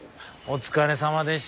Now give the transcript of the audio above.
お疲れさまです。